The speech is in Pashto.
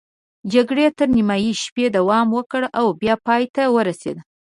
جګړې تر نیمايي شپې دوام وکړ او بیا پای ته ورسېده.